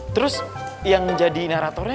terus yang jadi narratornya